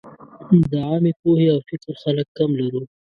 د عامې پوهې او فکر خلک کم لرو.